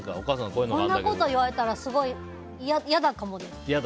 こんなこと言われたらすごい嫌かもです。